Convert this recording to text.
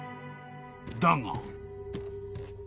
［だが］